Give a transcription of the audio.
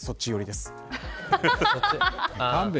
そっち寄りです。